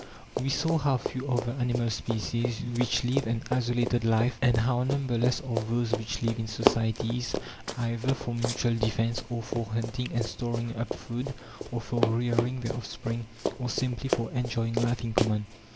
We saw how few are the animal species which live an isolated life, and how numberless are those which live in societies, either for mutual defence, or for hunting and storing up food, or for rearing their offspring, or simply for enjoying life in common.